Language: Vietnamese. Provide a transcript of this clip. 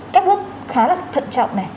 các bước khá là thận trọng này